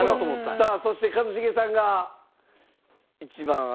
さあそして一茂さんが１番上げてます。